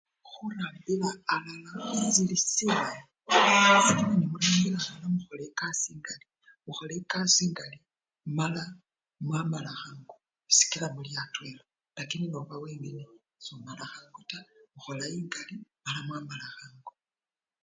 Khurambila alala sili silayi khubela nemurambila alala mukhola ekasii engali, mukhola ekasii engali mala mwamala khangu sikila muli atwela lakini noba wengene somala khangu taa, okhola engali mala mwamala khangu.